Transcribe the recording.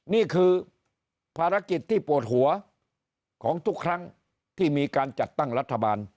นี่คือภารกิจที่ปวดหัวของทุกครั้งที่มีการจัดตั้งรัฐบาล